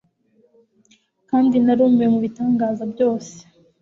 Kandi narumiwe mubitangaza byose